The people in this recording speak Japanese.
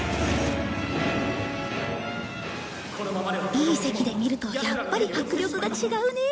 いい席で見るとやっぱり迫力が違うね。